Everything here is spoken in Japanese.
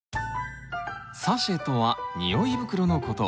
サシェとは匂い袋の事。